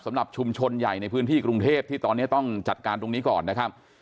สำหรับชุมชนใหญ่ในพื้นที่กรุงเทพที่ตอนนี้ต้องจัดการตรงนี้ก่อนนะครับ